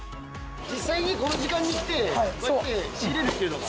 実際にこの時間に来てこうやって仕入れるっていうのが。